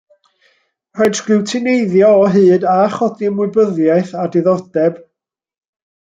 Rhaid sgriwtineiddio o hyd a chodi ymwybyddiaeth a diddordeb.